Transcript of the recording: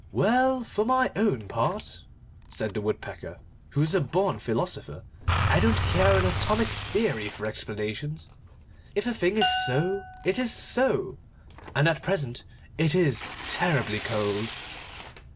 'Well, for my own part,' said the Woodpecker, who was a born philosopher, 'I don't care an atomic theory for explanations. If a thing is so, it is so, and at present it is terribly cold.